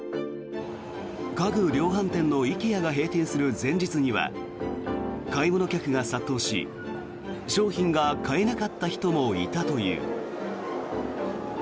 家具量販店のＩＫＥＡが閉店する前日には買い物客が殺到し商品が買えなかった人もいたという。